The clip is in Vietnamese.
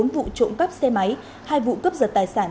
bốn vụ trộm cấp xe máy hai vụ cấp giật tài sản